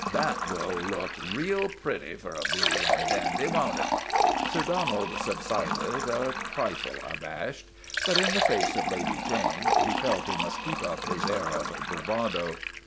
That will look real pretty for a blue ribbon dandy, won't it ?: Sir Donald subsided, a trifle abashed; but in the face of Lady Jane he felt he must keep up his air of bravado.